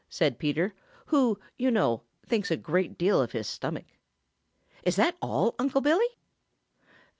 said Peter, who, you know, thinks a great deal of his stomach. "Is that all, Uncle Billy?"